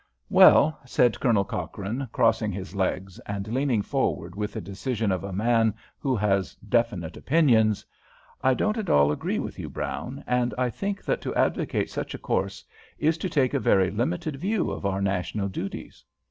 "Well," said Colonel Cochrane, crossing his legs and leaning forward with the decision of a man who has definite opinions, "I don't at all agree with you, Brown, and I think that to advocate such a course is to take a very limited view of our national duties.